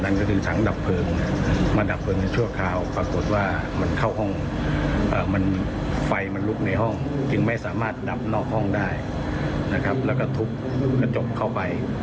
แล้วก็ทุบกระจกเข้าไป